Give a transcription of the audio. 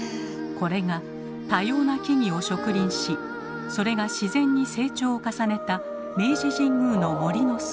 これが多様な木々を植林しそれが自然に成長を重ねた明治神宮の森の姿。